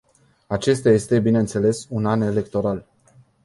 Acesta este, bineînțeles, un an electoral.